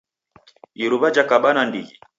Iruwa jakaba nandighi